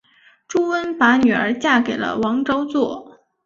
朱温把女儿嫁给了王昭祚。